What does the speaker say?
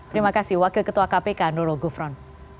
terima kasih wakil ketua kpk ndolo gurvon